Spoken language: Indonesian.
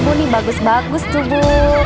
bu ini bagus bagus tuh bu